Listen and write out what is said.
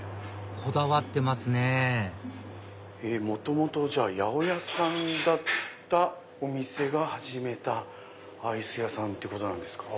こだわってますね元々八百屋さんだったお店が始めたアイス屋さんってことなんですか。